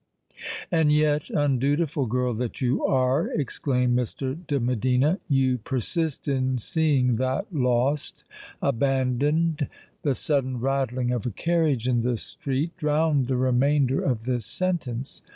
"And yet, undutiful girl that you are," exclaimed Mr. de Medina, "you persist in seeing that lost—abandoned——" The sudden rattling of a carriage in the street drowned the remainder of this sentence.